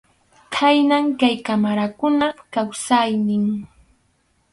Khaynam kay qamarakunap kawsaynin.